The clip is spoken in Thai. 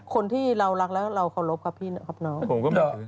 คนที่เรารักและเราโครบกับพี่ท่านครับนะว